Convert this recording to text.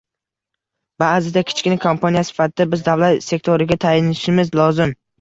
Baʼzida kichkina kompaniya sifatida biz davlat sektoriga tayanishimiz lozim.